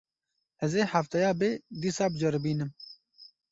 Ez ê hefteya bê dîsa biceribînim.